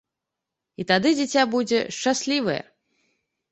І тады дзіця будзе шчаслівае.